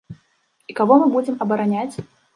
І каго мы будзем абараняць?